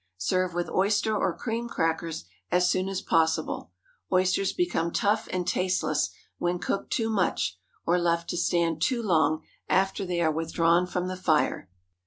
Serve with oyster or cream crackers, as soon as possible. Oysters become tough and tasteless when cooked too much, or left to stand too long after they are withdrawn from the fire.